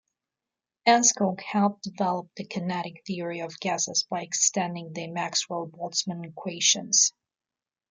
Enskog helped develop the kinetic theory of gases by extending the Maxwell-Boltzmann equations.